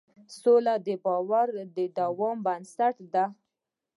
سوله د باور د دوام بنسټ ده.